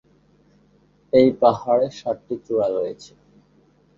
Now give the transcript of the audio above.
এই পাহাড়ের সাতটি চূড়া রয়েছে।